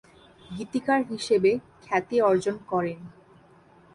গীতিকার হিসেবে খ্যাতি অর্জন করেন।